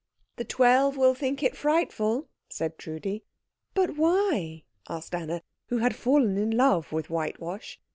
"The twelve will think it frightful," said Trudi. "But why?" asked Anna, who had fallen in love with whitewash.